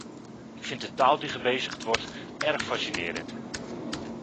Ik vind de taal die gebezigd wordt erg fascinerend.